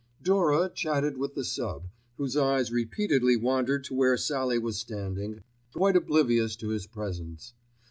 Dora chatted with the sub., whose eyes repeatedly wandered to where Sallie was standing quite oblivious to his presence.